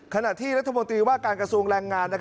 ขณะที่รัฐมนตรีว่าการกระทรวงแรงงาน